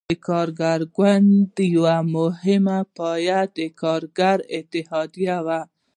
د کارګر ګوند یوه مهمه پایه د کارګرو اتحادیه وه.